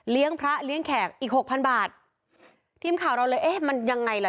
พระเลี้ยงแขกอีกหกพันบาททีมข่าวเราเลยเอ๊ะมันยังไงล่ะ